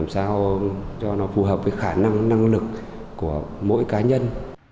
sao cho nó phù hợp với khả năng năng lực của mỗi cá nhân